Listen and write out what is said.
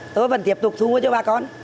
tôi vẫn tiếp tục thu mua cho bà con